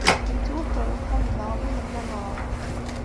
Yettwaker uxxam-nneɣ mi nella nruḥ.